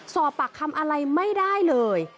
สอบปากคำอะไรไม่ได้เลย